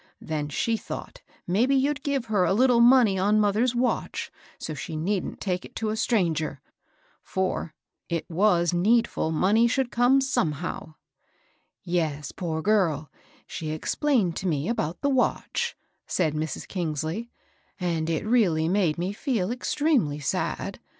Then she thought, maybe yoa'd give her a little money on mother's watch, so she needn't take it to a strangear; for it was needfid money should come wm^hm^'^ ^ Tes, poor girl I she explained to me about the watch," said Mrs. Kingsley \^^ and it really made me feel extremely sad.